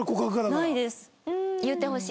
ないです。